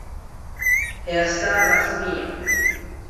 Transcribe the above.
ئێستا ڕەسمییە.